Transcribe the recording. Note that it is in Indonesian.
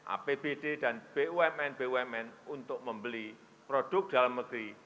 apbd dan bumn bumn untuk membeli produk dalam negeri